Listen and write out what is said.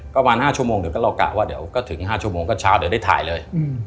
ประมาณ๕ชั่วโมงเงินแล้วเรากะว่าถึง๕ชั่วโมงเงินก็จะได้ถ่ายเลย